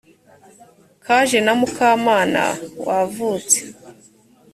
kaje na mukamana wavutse